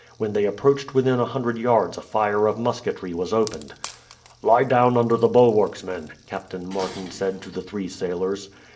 When they approached within a hundred yards a fire of musketry was opened. "Lie down under the bulwarks, men," Captain Martin said to the three sailors.